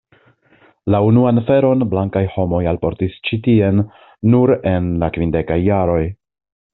La unuan feron blankaj homoj alportis ĉi tien nur en la kvindekaj jaroj.